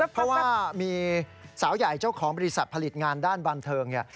เพราะว่ามีสาวใหญ่เจ้าของบริษัทผลิตงานด้านบันเทิงเนี่ย